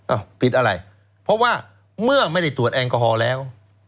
ปิดอะไรเพราะว่าเมื่อไม่ได้ตรวจแอลกอฮอล์แล้ว